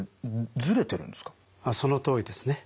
そのとおりですね。